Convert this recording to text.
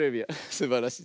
すばらしい。